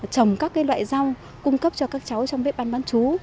trồng các loại rau cung cấp cho các cháu trong bếp ăn bán chú